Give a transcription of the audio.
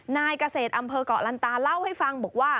นายเกษตรอำเภอกเกาะลันตาเล่าให้ฟังบอกว่า